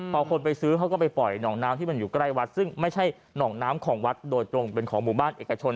พอคนไปซื้อเขาก็ไปปล่อยหนองน้ำที่มันอยู่ใกล้วัดซึ่งไม่ใช่หนองน้ำของวัดโดยตรงเป็นของหมู่บ้านเอกชน